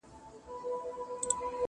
o چي زر وي، زاري نسته!